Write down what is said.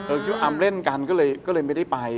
คิดว่าอำเล่นกันก็เลยไม่ได้ไป